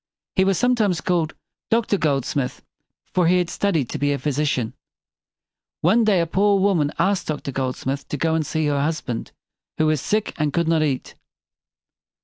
He was some times called Doctor Goldsmith; for he had studied to be a phy si cian. One day a poor woman asked Doctor Goldsmith to go and see her husband, who was sick and could not eat.